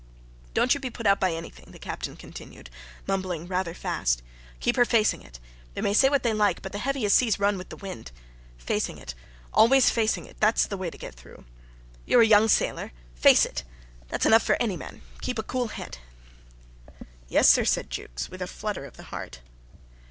"Don't you be put out by anything," the Captain continued, mumbling rather fast. "Keep her facing it. They may say what they like, but the heaviest seas run with the wind. Facing it always facing it that's the way to get through. You are a young sailor. Face it. That's enough for any man. Keep a cool head." "Yes, sir," said Jukes, with a flutter of the heart.